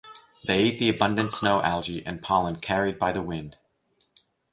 They eat the abundant snow algae and pollen carried by the wind.